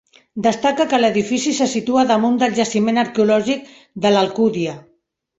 Destaca que l'edifici se situa damunt del jaciment arqueològic de l'Alcúdia.